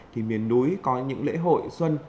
thì miền núi có những lễ hội xuân